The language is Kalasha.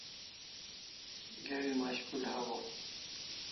Geri mushkil hawaw